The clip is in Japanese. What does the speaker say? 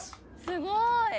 「すごい！」